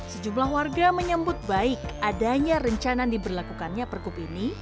sejumlah warga menyambut baik adanya rencana diberlakukannya pergub ini